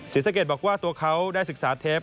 ศิษฐกิจบอกว่าตัวเขาได้ศึกษาเทป